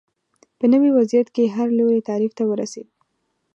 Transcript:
په نوي وضعیت کې هر لوری تعریف ته ورسېد